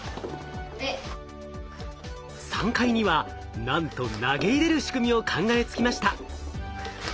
３階にはなんと投げ入れる仕組みを考えつきました。